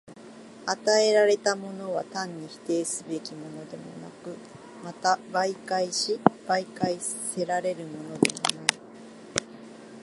与えられたものは単に否定すべきものでもなく、また媒介し媒介せられるものでもない。